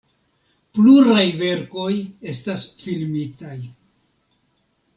Pluraj verkoj estas filmitaj.